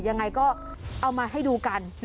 ยังไงก็เอามาให้ดูกัน